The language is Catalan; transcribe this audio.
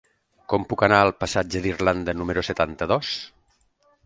Com puc anar al passatge d'Irlanda número setanta-dos?